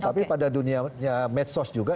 tapi pada dunia medsos juga